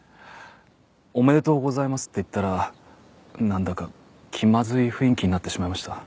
おめでとうございますって言ったらなんだか気まずい雰囲気になってしまいました。